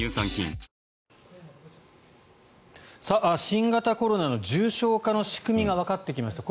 新型コロナの重症化の仕組みがわかってきました。